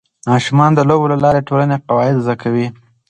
ماشومان د لوبو له لارې د ټولنې قواعد زده کوي.